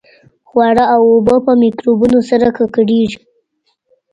خواړه او اوبه په میکروبونو سره ککړېږي.